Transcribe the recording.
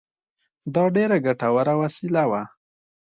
دا ډېره ګټوره وسیله وه.